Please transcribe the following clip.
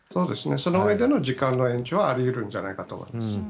そのうえでの延長はあり得るんじゃないかと思います。